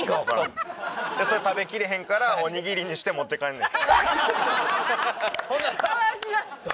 それ食べきれへんからおにぎりにして持って帰んねん。